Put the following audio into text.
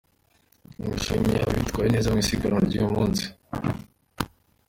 Nshimiye abitwaye neza mw’isiganwa ry’uyu munsi.